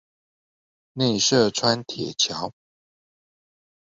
內社川鐵橋